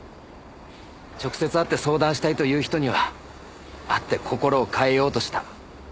直接会って相談したいという人には会って心を変えようとした。